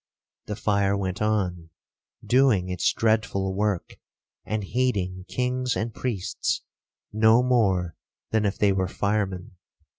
The fire went on, doing its dreadful work, and heeding kings and priests no more than if they were firemen.